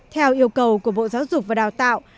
theo yêu cầu của bộ giáo dục và đào tạo